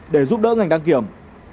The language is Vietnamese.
để giúp đỡ ngành đăng kiểm